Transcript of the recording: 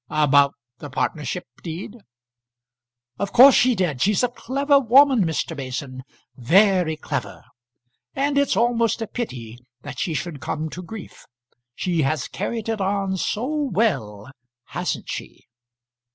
"About the partnership deed?" "Of course she did. She's a clever woman, Mr. Mason; very clever, and it's almost a pity that she should come to grief. She has carried it on so well; hasn't she?"